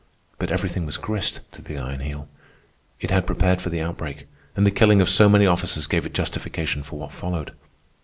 But everything was grist to the Iron Heel. It had prepared for the outbreak, and the killing of so many officers gave it justification for what followed.